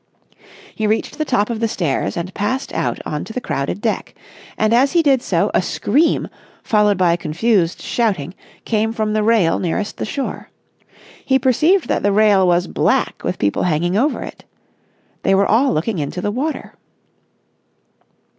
He reached the top of the stairs, and passed out on to the crowded deck. And, as he did so, a scream, followed by confused shouting, came from the rail nearest the shore. He perceived that the rail was black with people hanging over it. They were all looking into the water.